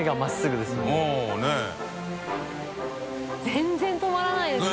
全然止まらないですね。